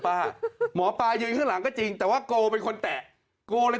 อย่าทุกจะริ่งกันตาแล้ว